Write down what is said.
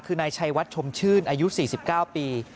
คือนายชัยวัดชมชื่นอายุ๔๙ปี